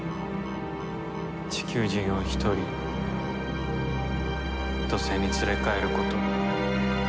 地球人を１人土星に連れ帰ること。